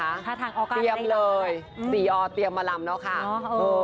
ถ้าทางองค์ก็ออกมาได้ค่ะเตรียมเลยสี่ออเตรียมมารำเนอะค่ะเออเออ